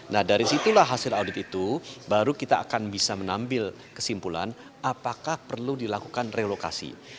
nah dari situlah hasil audit itu baru kita akan bisa mengambil kesimpulan apakah perlu dilakukan relokasi